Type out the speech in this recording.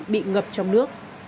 bị ngập trong nước